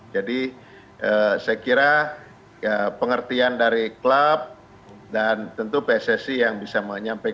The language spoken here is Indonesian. jadi saya kira pengertian dari klub dan tentu pssi yang bisa menyampaikan